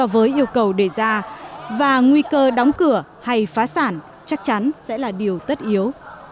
và nhu cầu để ra và nguy cơ đóng cửa hay phá sản chắc chắn sẽ là điều tất yếu